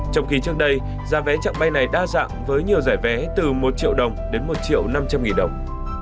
trong khi trước đây giá vé trạng bay này đa dạng với nhiều giải vé từ một triệu đồng đến một triệu năm trăm linh nghìn đồng